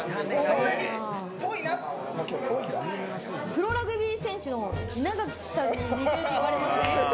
そんなにぽいなってプロラグビー選手の稲垣さんに似てるって言われません？